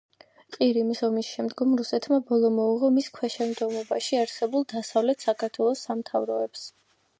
ყირიმის ომის შემდგომ რუსეთმა ბოლო მოუღო მის ქვეშევრდომობაში არსებულ დასავლეთ საქართველოს სამთავროებს.